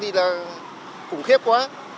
cũng khiếp quá